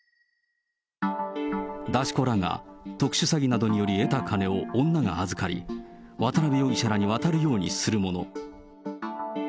出し子らが特殊詐欺などにより得た金を女が預かり、渡辺容疑者らに渡るようにするもの。